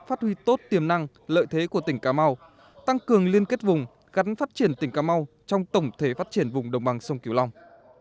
phát huy tốt tiềm năng lợi thế của tỉnh cà mau tăng cường liên kết vùng gắn phát triển tỉnh cà mau trong tổng thể phát triển vùng đồng bằng sông kiều long